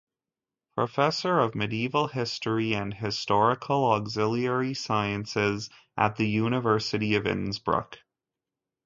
Professor of Medieval History and Historical Auxiliary Sciences at the University of Innsbruck.